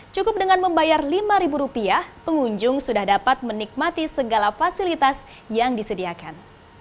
cukup dengan membayar lima rupiah pengunjung sudah dapat menikmati segala fasilitas yang disediakan